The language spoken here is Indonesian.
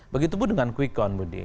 begitupun dengan kwikon budi